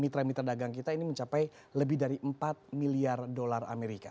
mitra mitra dagang kita ini mencapai lebih dari empat miliar dolar amerika